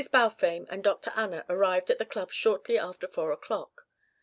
Balfame and Dr. Anna arrived at the Club shortly after four o'clock.